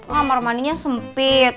kamar mandinya sempit